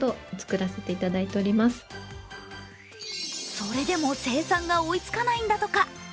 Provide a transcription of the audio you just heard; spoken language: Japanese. それでも生産が追いつかないんだとか。